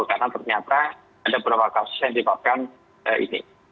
karena ternyata ada beberapa kasus yang dilakukan ini